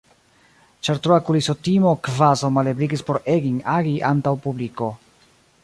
Ĉar troa kulisotimo kvazaŭ malebligis por Egging agi antaŭ publiko.